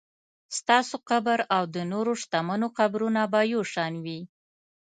ستاسو قبر او د نورو شتمنو قبرونه به یو شان وي.